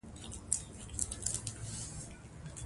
ځمکنی شکل د افغانستان د جغرافیې یوه خورا غوره بېلګه ده.